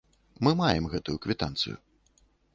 Мы маем гэтую квітанцыю.